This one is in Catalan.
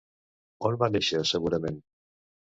On va néixer, segurament?